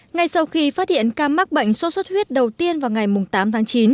ngay sau khi phát hiện ca mắc bệnh suốt suốt huyết đầu tiên vào ngày tám tháng chín